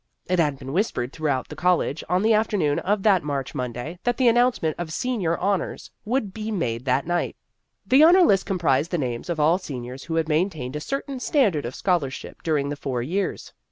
It had been whispered throughout the college on the afternoon of that March Monday that the announcement of senior honors would be made that night. The honor list comprised the names of all seniors who had maintained a certain standard of scholarship during the four years.